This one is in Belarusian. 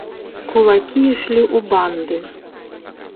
Кулакі ішлі ў банды.